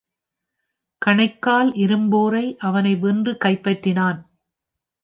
கணைக்கால் இரும்பொறை அவனை வென்று கைப்பற்றினான்.